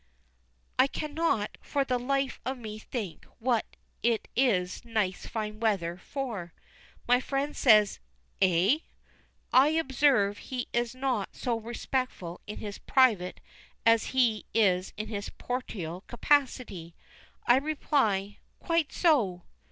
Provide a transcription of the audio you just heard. I cannot for the life of me think what it is nice fine weather for. My friend says, "Eh?" I observe he is not so respectful in his private as in his porterial capacity. I reply, "Quite so!"